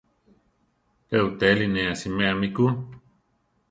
Pe uʼtéli ne asiméa mi ku.